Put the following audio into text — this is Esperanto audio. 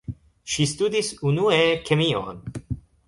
Ŝi studis unue kemion.